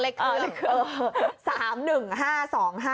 เลขเครื่อง